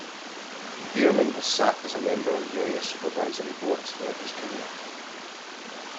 Veerman has sat as a member on various supervisory boards throughout his career.